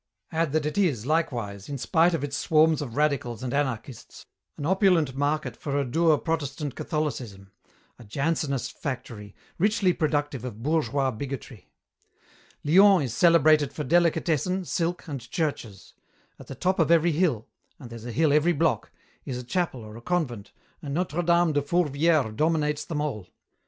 Add that it is likewise, in spite of its swarms of radicals and anarchists, an opulent market for a dour Protestant Catholicism; a Jansenist factory, richly productive of bourgeois bigotry. "Lyons is celebrated for delicatessen, silk, and churches. At the top of every hill and there's a hill every block is a chapel or a convent, and Notre Dame de Fourvière dominates them all.